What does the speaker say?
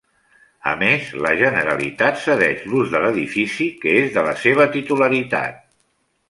A més, la Generalitat cedeix l’ús de l’edifici, que és de la seva titularitat.